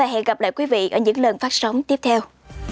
hẹn gặp lại quý vị ở những lần phát sóng tiếp theo